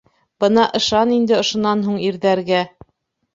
Бына ышан инде ошонан һуң ирҙәргә.